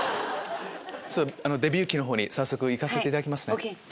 デビュー期のほうに早速行かせていただきますね。